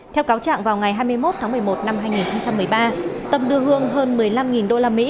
theo cáo trạng vào ngày hai mươi một tháng một mươi một năm hai nghìn một mươi ba tâm đưa hương hơn một mươi năm usd